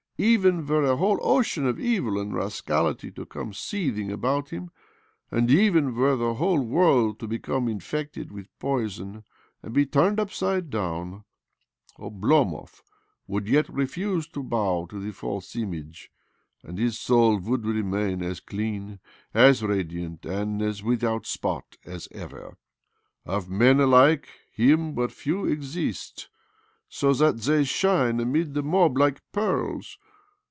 Even were a whole oce; an of evil and rascality to come seething about him, and even were the whole world to become infected with 2б8 OBLOMOV poison and be turned upside down, Oblomov would yet refuse to bow to the false image, and his soul would remain as clean, as radiant, and as without spot as ever. ' That soul is a soul of crystal transparency. Of men like him but few exist, so that they shine amid the mob like pearls.